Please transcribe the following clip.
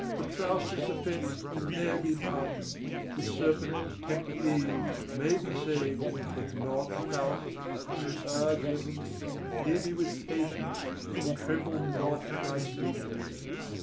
But Faustus' offence can ne'er be pardoned: the serpent that tempted Eve may be saved, but not Faustus. Ah, gentlemen, hear me with patience, and tremble not at my speeches!